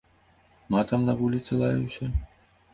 Матам на вуліцы лаяўся?